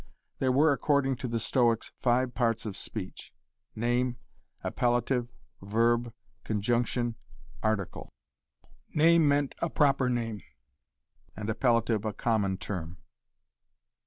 There were, according to the Stoics, five parts of speech name, appellative, verb, conjunction, article. 'Name' meant a proper name, and 'appellative' a common term.